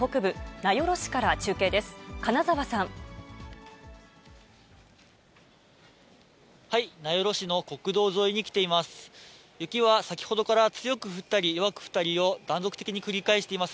名寄市の国道沿いに来ています。